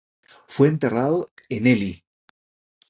Fue enterrado en Ely.